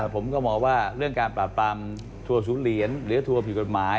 ผมก็มองว่าเรื่องการปราบปรามทัวร์ศูนย์เหรียญหรือทัวร์ผิดกฎหมาย